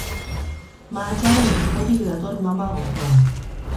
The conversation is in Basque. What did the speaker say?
Mahatsaren orpotik dator mama gozoa.